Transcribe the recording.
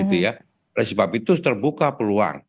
oleh sebab itu terbuka peluang